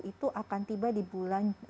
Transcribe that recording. itu akan tiba di bulan